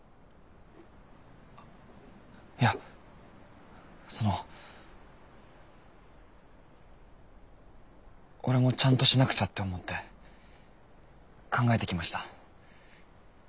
いやその俺もちゃんとしなくちゃって思って考えてきました。